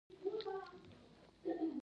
پوخ هنر خلک متاثره کوي